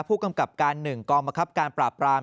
ผู้กำกับการ๑กองบังคับการปราบราม